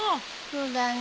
そうだね。